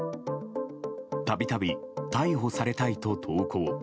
たびたび逮捕されたいと投稿。